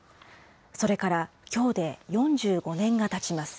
それからきょうで４５年がたちます。